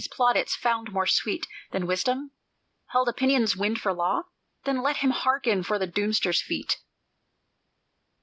Hath he the Many's plaudits found more sweet Than Wisdom? held Opinion's wind for Law? Then let him hearken for the doomster's feet!